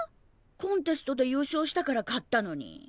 コンテストで優勝したから買ったのに。